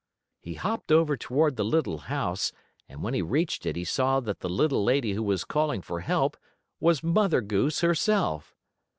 He hopped over toward the little house, and, when he reached it he saw that the little lady who was calling for help was Mother Goose herself.